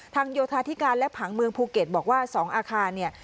โยธาธิการและผังเมืองภูเก็ตบอกว่า๒อาคารเนี่ย